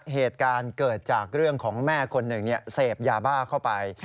เหตุการณ์เกิดจากเรื่องของแม่คนหนึ่งเสพยาบ้าเข้าไป